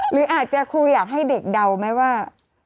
หรืออาจจะครูอยากให้เด็กเดาไหมว่า